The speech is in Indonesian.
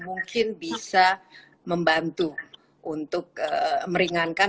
mungkin bisa membantu untuk meringankan